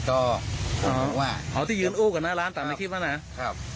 ด้วยความรวดผมเสียตัวเองครับ